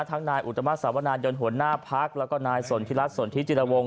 ทั้งนายอุตมัติสาวนานยนต์หัวหน้าภักรแล้วก็นายสนธิรัตน์สนธิจิลวงศ์